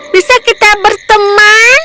bisa kita berteman